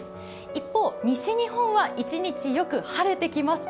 一方、西日本は一日よく晴れてきます。